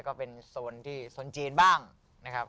ก็เป็นโซนที่โซนจีนบ้างนะครับ